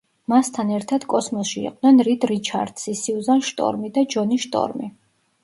მასთან ერთად კოსმოსში იყვნენ რიდ რიჩარდსი, სიუზან შტორმი და ჯონი შტორმი.